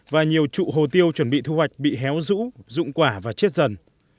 và nhiều trụ hồ tiêu chuẩn bị thu hoạch bị héo rũ rụng quả và chết dần